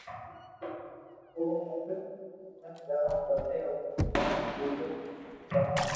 او ھون ح محنت ڪرو پسو آئرو ڪوم پورو ڪرو